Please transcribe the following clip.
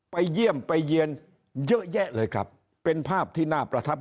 ไปเยี่ยมไปเยี่ยนเยอะแยะเลยครับเป็นภาพที่น่าประทับ